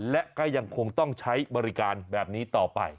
และก็ยังคงต้องใช้บริการแบบนี้ต่อไป